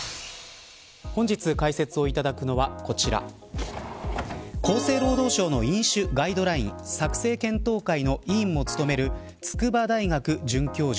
本日解説をいただくのはこちら厚生労働省の飲酒ガイドライン作成検討会の委員も務める筑波大学准教授